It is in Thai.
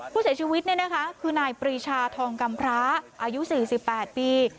ผู้เสียชีวิตนี่นะคะคือนายปรีชาทองกำพระอายุ๔๘ปี